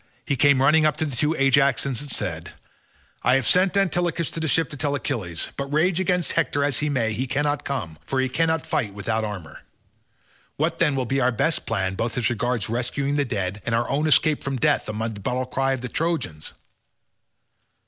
He came running up to the two Ajaxes and said, "I have sent Antilochus to the ships to tell Achilles, but rage against Hector as he may, he cannot come, for he cannot fight without armour. What then will be our best plan both as regards rescuing the dead, and our own escape from death amid the battle cries of the Trojans?"